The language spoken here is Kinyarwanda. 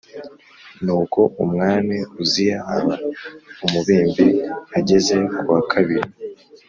Nuko Umwami Uziya aba umubembe ageza kuwa kabiri